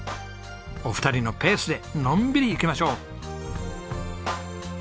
お二人のペースでのんびりいきましょう。